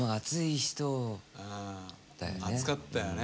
熱かったよね。